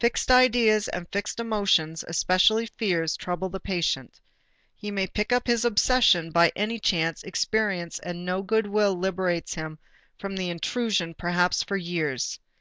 Fixed ideas and fixed emotions, especially fears, trouble the patient. He may pick up his obsession by any chance experience and no good will liberates him from the intrusion perhaps for years.